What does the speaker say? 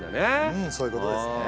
うんそういうことですね。